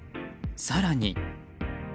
更に。